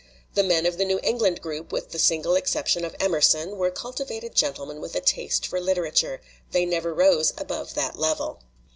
The men of the New England group, with the single exception of Emerson, were cultivated gentlemen with a taste for literature they never rose above that level.